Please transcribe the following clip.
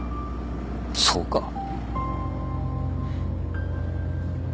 そうか？